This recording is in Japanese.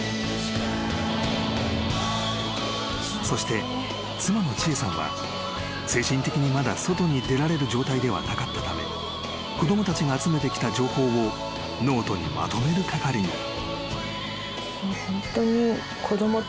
［そして妻の知枝さんは精神的にまだ外に出られる状態ではなかったため子供たちが集めてきた情報をノートにまとめる係に］